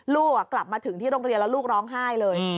ลูกกลับมาถึงที่โรงเรียนแล้วลูกร้องไห้เลย